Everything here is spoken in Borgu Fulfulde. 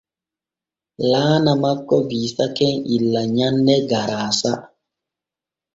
Laana makko biisake illa nyanne garaasa.